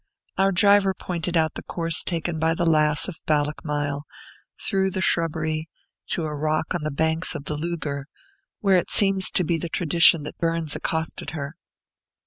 Our driver pointed out the course taken by the Lass of Ballochmyle, through the shrubbery, to a rock on the banks of the Lugar, where it seems to be the tradition that Burns accosted her.